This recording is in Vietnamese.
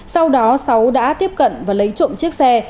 sau đó sáu đã tiếp cận và lấy trộm chiếc xe